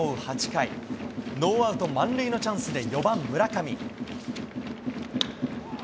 ８回、ノーアウト満塁のチャンスで４番村上。